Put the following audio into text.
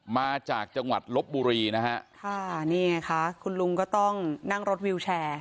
มาจากจังหวัดลบบุรีนะฮะค่ะนี่ไงคะคุณลุงก็ต้องนั่งรถวิวแชร์